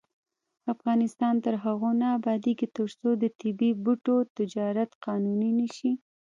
افغانستان تر هغو نه ابادیږي، ترڅو د طبیعي بوټو تجارت قانوني نشي.